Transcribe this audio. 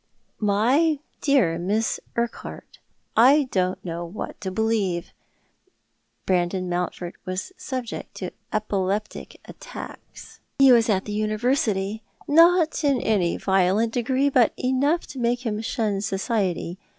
"My dear Miss Urquhart, I don't know what to believe. Erandon Mountfort was subject to epileptic attacks when he was at the University; not in any violent degree, but enough to make him shun society.